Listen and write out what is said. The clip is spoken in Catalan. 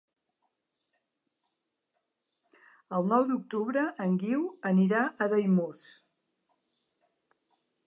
El nou d'octubre en Guiu anirà a Daimús.